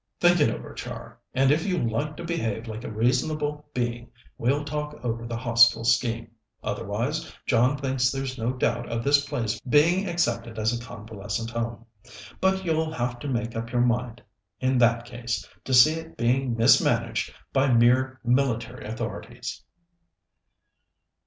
"Think it over, Char, and if you like to behave like a reasonable being, we'll talk over the Hostel scheme. Otherwise, John thinks there's no doubt of this place being accepted as a convalescent home. But you'll have to make up your mind, in that case, to see it being mismanaged by mere military authorities."